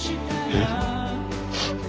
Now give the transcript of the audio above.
えっ？